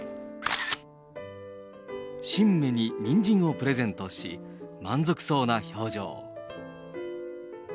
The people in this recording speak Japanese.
神馬ににんじんをプレゼントし、満足そうな表情。